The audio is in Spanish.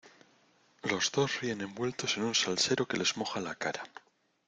los dos ríen envueltos en un salsero que les moja la cara.